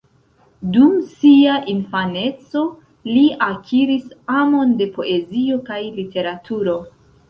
Dum sia infaneco li akiris amon de poezio kaj literaturo.